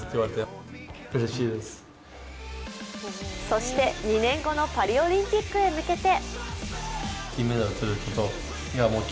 そして２年後のパリオリンピックへ向けて。